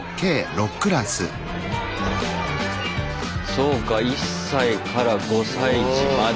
そうか１歳から５歳児まで。